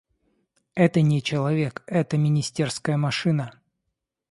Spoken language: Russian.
Это не человек, это министерская машина.